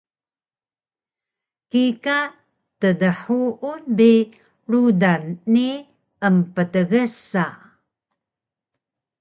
kika tdhuun bi rudan ni emptgsa